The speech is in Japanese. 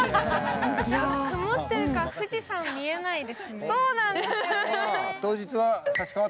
曇ってるから富士山見えないですね。